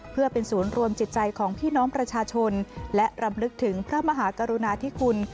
เพื่อเป็นศูนย์รวมจิตใจของพี่น้องประชาชนและรำลึกถึงพระมหากรุณาธิคุณ